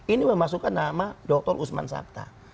ini memasukkan nama dr usman sabta